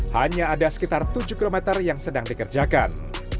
hanya ada sekitar tujuh km yang sedang dikerjakan